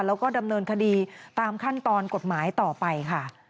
แล้วก็ดำเนินคดีตามขั้นตอนกฎหมายต่อไปค่ะ